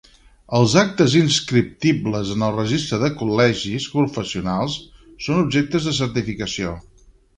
Els actes inscriptibles en el registre de col·legis professionals són objecte de certificació.